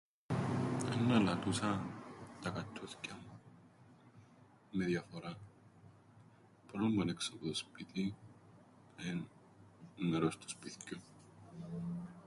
Έννα ελαλούσα τα καττούθκια μου. Με διαφοράν. Παρ' όλον που εν' έξω που το σπίτιν, εν' μέρος του σπιθκιού.